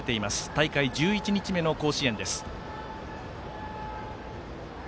大会１１日目の甲子園です。